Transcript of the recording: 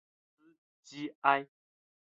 马斯基埃。